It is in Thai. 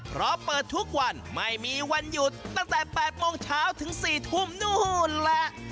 เพราะเปิดทุกวันไม่มีวันหยุดตั้งแต่๘โมงเช้าถึง๔ทุ่มนู่นแหละ